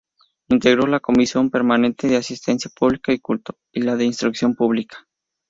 Integró la Comisión Permanente de Asistencia Pública y Culto; y la de Instrucción Pública.